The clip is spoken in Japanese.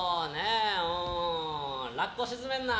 ラッコ沈めるな！